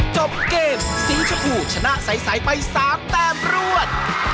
จบเกมสีชมพูชนะใสไป๓แต้มรวด